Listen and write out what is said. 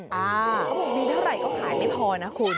เขาบอกมีเท่าไหร่ก็ขายไม่พอนะคุณ